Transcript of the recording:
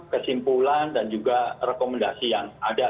kesimpulan dan juga rekomendasi yang ada